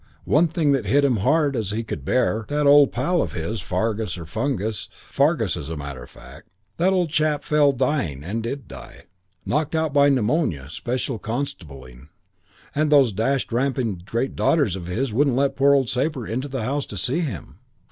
One thing that hit him hard as he could bear was that that old pal of his, Fungus or Fargus, Fargus as a matter of fact, that old chap fell dying and did die knocked out by pneumonia special constabling and those dashed ramping great daughters of his wouldn't let poor old Sabre into the house to see him.